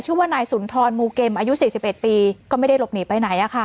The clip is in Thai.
ชื่อว่านายสุนทรมูเกมอายุ๔๑ปีก็ไม่ได้หลบหนีไปไหนอะค่ะ